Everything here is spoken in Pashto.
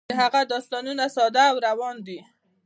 د هغه داستانونه ساده او روان دي.